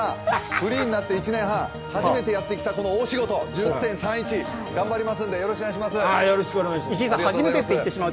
フリーになって１年半初めてやってきたこの大仕事、１０・３１、頑張りますんでよろしくお願いします。